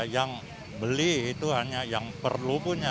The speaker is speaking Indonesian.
yang beli itu hanya yang perlu punya